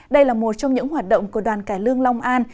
đây là một trong những hoạt động của đoàn cải lương long an